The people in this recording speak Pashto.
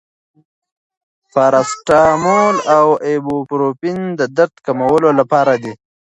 پاراسټامول او ایبوپروفین د درد کمولو لپاره دي.